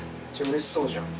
うれしそうじゃん。